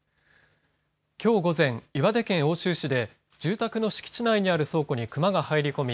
きょう午前岩手県奥州市で住宅の敷地内の倉庫にクマが入り込み